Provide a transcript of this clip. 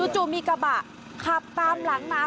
จู่มีกระบะขับตามหลังมา